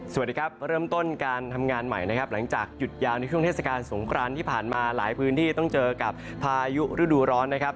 สวัสดีครับเริ่มต้นการทำงานใหม่นะครับหลังจากหยุดยาวในช่วงเทศกาลสงครานที่ผ่านมาหลายพื้นที่ต้องเจอกับพายุฤดูร้อนนะครับ